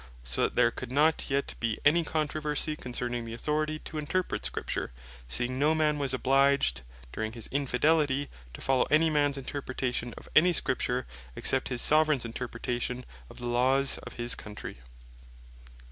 So that there could not yet bee any controversie concerning the authority to Interpret Scripture; seeing no man was obliged during his infidelity, to follow any mans Interpretation of any Scripture, except his Soveraigns Interpretation of the Laws of his countrey.